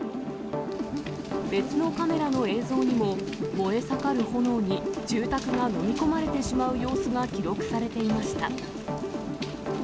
別のカメラの映像にも、燃え盛る炎に住宅が飲み込まれてしまう様子が記録されていました。